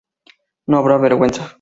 No habrá vergüenza.